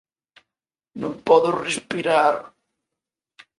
Non podo respirar!